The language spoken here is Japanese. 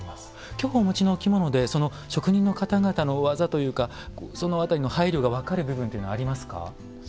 今日お持ちのお着物でその職人の方々の技というかそのあたりの配慮が分かる部分というのはありますか。